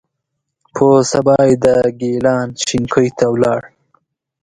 په سبا یې د ګیلان شینکۍ ته ولاړو.